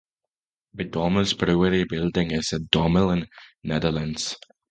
The Dommelsch Brewery building is in Dommelen, Netherlands.